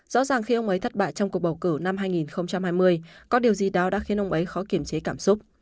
rõ ràng khi ông ấy thất bại trong cuộc bầu cử năm hai nghìn hai mươi có điều gì đó đã khiến ông ấy khó kiểm chế cảm xúc